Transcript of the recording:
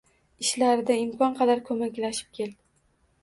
Ishlarida imkon qadar koʻmaklashib kel.